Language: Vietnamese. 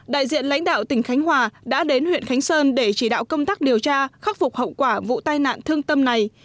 đại diện lãnh đạo tỉnh khánh hòa đã đến huyện khánh sơn để chỉ đạo công tác điều tra khắc phục hậu quả vụ tai nạn thương tâm này